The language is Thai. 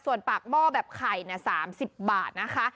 ส่วนปากหม้อแบบไข่๓๐บาทนะคะ